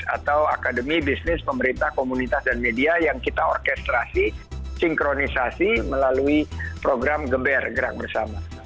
atau akademi bisnis pemerintah komunitas dan media yang kita orkestrasi sinkronisasi melalui program geber gerak bersama